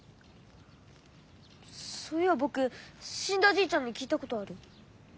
そういやぼくしんだじいちゃんに聞いたことある。